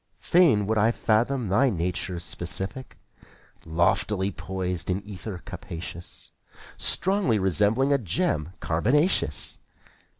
Fain would I fathom thy nature's specific Loftily poised in ether capacious. Strongly resembling a gem carbonaceous.